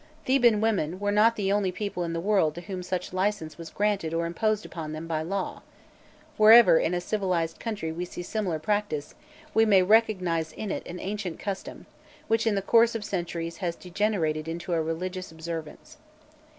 Theban women were not the only people in the world to whom such licence was granted or imposed upon them by law; wherever in a civilized country we see a similar practice, we may recognize in it an ancient custom which in the course of centuries has degenerated into a religious observance.